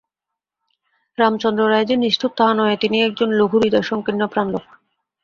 রামচন্দ্র রায় যে নিষ্ঠুর তাহা নহে, তিনি একজন লঘুহৃদয়, সঙ্কীর্ণপ্রাণ লােক।